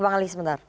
bang ali sebentar